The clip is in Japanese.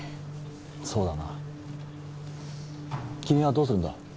そうだな君はどうするんだ？